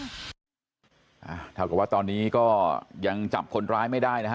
ครับทำงานครัวตอนนี้ยังจับคนร้ายไม่ได้